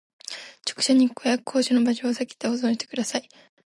直射日光や高温の場所をさけて保管してください